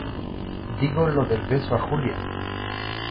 digo lo del beso a Julia.